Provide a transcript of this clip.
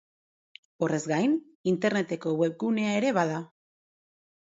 Horrez gain, interneteko webgunea ere bada.